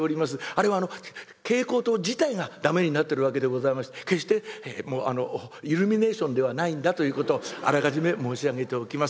あれは蛍光灯自体が駄目になっているわけでございまして決してイルミネーションではないんだということをあらかじめ申し上げておきます。